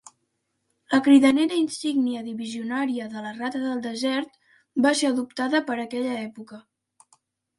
La cridanera insígnia divisionària de la Rata del Desert va ser adoptada per aquella època.